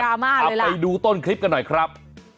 เอาไปดูต้นคลิปกันหน่อยครับ